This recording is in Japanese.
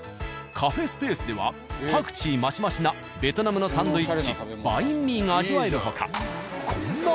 カフェスペ―スではパクチー増し増しなベトナムのサンドイッチバインミーが味わえる他。